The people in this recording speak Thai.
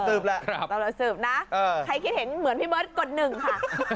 สำหรับสืบนะใครคิดเห็นเหมือนพี่เบิ้ดกดหนึ่งค่ะ